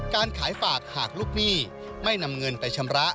การขายฝากหากลูกหนี้ไม่นำเงินไปชำระ